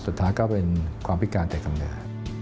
สุดท้ายก็เป็นความพิการแต่คำเนื้อ